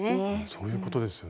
そういうことですよね。